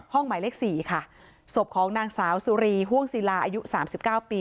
ห้องใหม่เลข๔ค่ะศพของนางสาวสุรีฮ่วงศิลาอายุ๓๙ปี